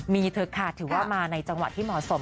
มีเถอะค่ะถือว่ามาในจังหวะที่เหมาะสม